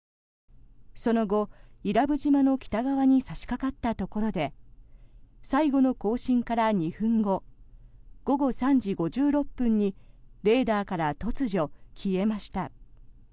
その後、伊良部島の北側に差しかかったところで最後の交信から２分後午後３時５６分にレーダーから突如、消えました。